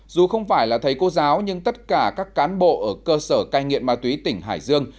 dù không phải là thầy cô giáo nhưng tất cả các cán bộ ở cơ sở cai nghiện ma túy tỉnh hải dương